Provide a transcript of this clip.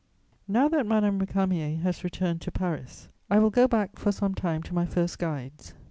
Now that Madame Récamier has returned to Paris, I will go back for some time to my first guides.